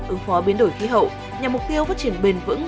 ứng phó biến đổi khí hậu nhằm mục tiêu phát triển bền vững